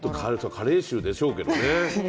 加齢臭でしょうけどね。